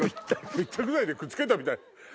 接着剤でくっつけたみたい。